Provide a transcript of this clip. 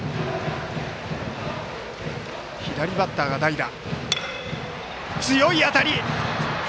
左バッターが代打。